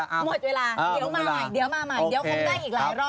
หมดเวลาเดี๋ยวมาใหม่เดี๋ยวคงได้อีกหลายรอบ